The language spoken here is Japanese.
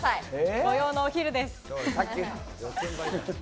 土曜のお昼です。